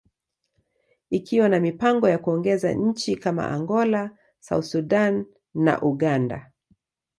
ikiwa na mipango ya kuongeza nchi kama Angola, South Sudan, and Uganda.